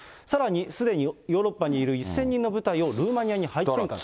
さらにすでにヨーロッパにいる１０００人の部隊をルーマニアに配置転換する。